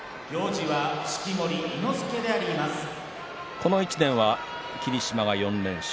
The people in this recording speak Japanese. この１年は霧島が４連勝。